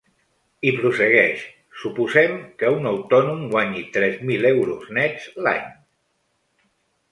I prossegueix: Suposem que un autònom guanyi tres mil euros nets l’any.